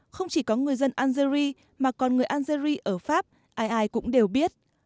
không chỉ có người dân algerie mà còn người algerie ở pháp ai ai cũng đều biết